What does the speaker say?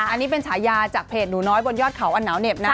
อันนี้เป็นฉายาจากเพจหนูน้อยบนยอดเขาอันหนาวเหน็บนะ